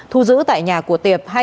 thu giữ tại nhà của tiệp